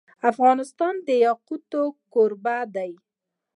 افغانستان د یاقوت کوربه دی.